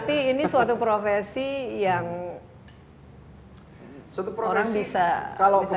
itu profesi yang orang bisa hidupkan